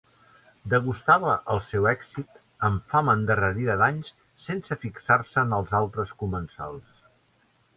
Degustava el seu èxit amb fam endarrerida d'anys sense fixar-se en els altres comensals.